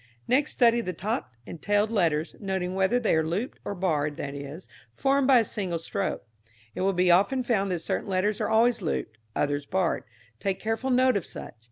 Next study the topped and tailed letters, noting whether they are looped or barred, that is, formed by a single stroke. It will be often found that certain letters are always looped, others barred. Take careful note of such.